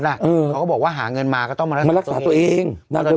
เขาก็บอกว่าหาเงินมาก็ต้องมารักษาตัวเอง